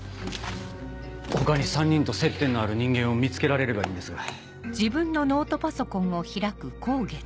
他に３人と接点のある人間を見つけられればいいんですが。